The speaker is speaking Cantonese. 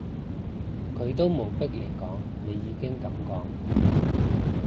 佢都冇逼你講，你已經噉講